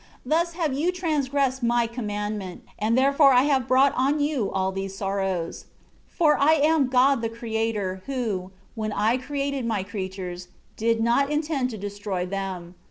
8 Thus have you transgressed My commandment, and therefore I have brought on you all these sorrows. 9 For I am God the Creator, who, when I created My creatures, did not intend to destroy them.